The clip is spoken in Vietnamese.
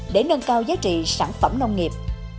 để nâng cao giá trị sản phẩm nông nghiệp